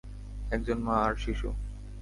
একজন মা আর শিশু!